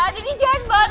daddy tega banget